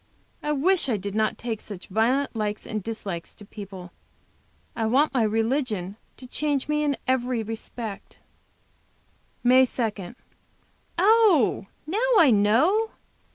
I wish I did not take such violent likes and dislikes to people. I want my religion to change me in every respect. MAY 2. Oh, I know now!